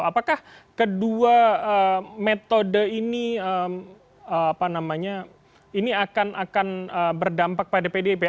apakah kedua metode ini akan berdampak pada pdip